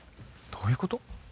どういうこと？